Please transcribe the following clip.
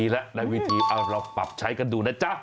และในวิธีเราปรับใช้กันดูนะจ๊ะ